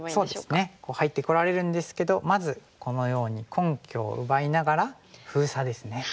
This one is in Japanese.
そうですね入ってこられるんですけどまずこのように根拠を奪いながら封鎖ですね。